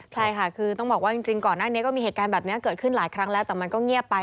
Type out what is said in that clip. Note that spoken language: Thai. ใช่ค่ะคือต้องบอกว่าจริงก่อนหน้านี้ก็มีเหตุการณ์แบบนี้เกิดขึ้นหลายครั้งแล้วแต่มันก็เงียบไป